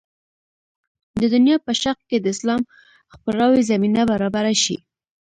د دنیا په شرق کې د اسلام خپراوي زمینه برابره شي.